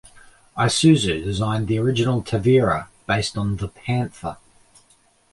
Isuzu designed the original Tavera, based on the "Panther".